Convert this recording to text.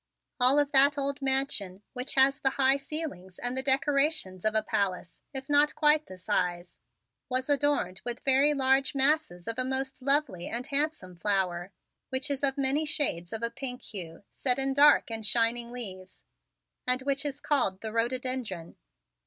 All of that old Mansion, which has the high ceilings and the decorations of a palace, if not quite the size, was adorned with very large masses of a most lovely and handsome flower, which is of many shades of a pink hue set in dark and shining leaves and which is called the rhododendron.